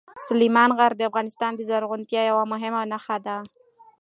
سلیمان غر د افغانستان د زرغونتیا یوه مهمه نښه ده.